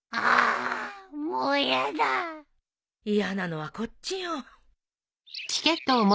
嫌なのはこっちよ。